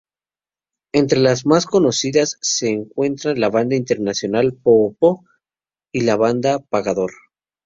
Entre las más conocidas se encuentran la banda Intercontinental Poopó, y la banda Pagador.